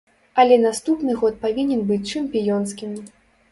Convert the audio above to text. Але наступны год павінен быць чэмпіёнскім!